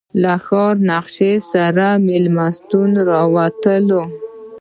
له ښار نقشې سره له مېلمستونه راووتلو.